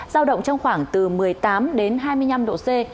giao động trong khoảng từ một mươi tám đến hai mươi năm độ c